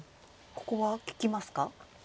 ここは利きますか？